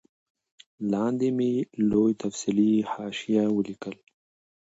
لاندي مي لوی تفصیلي حاشیه ولیکل